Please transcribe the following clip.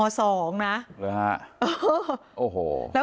หรือฮะโอ้โห